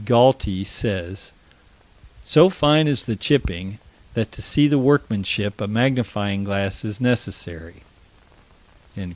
Galty says: "So fine is the chipping that to see the workmanship a magnifying glass is necessary."